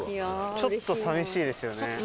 ちょっと寂しいですよね。